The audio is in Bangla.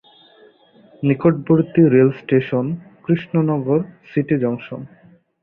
নিকটবর্তী রেলস্টেশন কৃষ্ণনগর সিটি জংশন।